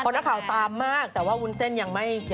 ข้อนักข่าวตามมากแต่ว่าวุ้นเส้นยังไม่บอก